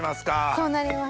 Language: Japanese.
こうなります。